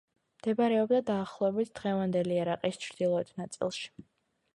მდებარეობდა დაახლოებით დღევანდელი ერაყის ჩრდილოეთ ნაწილში.